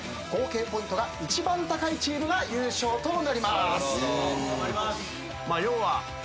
合計ポイントが一番高いチームが優勝となります。